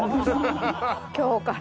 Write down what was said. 今日から。